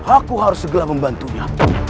aku harus segelah membantunya